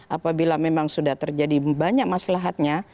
apabila memang sudah terjadi banyak masalahatnya